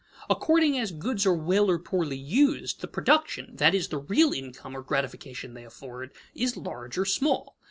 According as goods are well or poorly used, the production that is, the real income or gratification they afford is large or small.